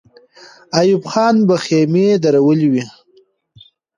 ایوب خان به خېمې درولې وې.